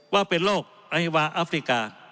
ว่าเป็นโรคไอวาอัฟริกา